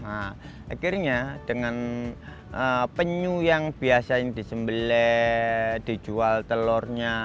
akhirnya dengan penyu yang biasa yang disembele dijual telurnya